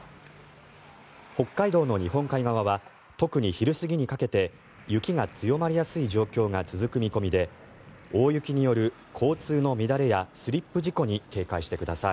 北海道の日本海側は特に昼過ぎにかけて雪が強まりやすい状況が続く見込みで大雪による交通の乱れやスリップ事故に警戒してください。